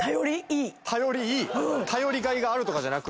頼りがいがあるとかじゃなく？